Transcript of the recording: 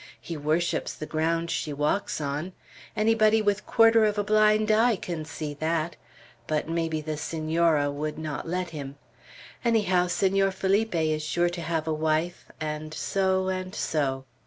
"He worships the ground she walks on. Anybody with quarter of a blind eye can see that; but maybe the Senora would not let him. Anyhow, Senor Felipe is sure to have a wife, and so and so."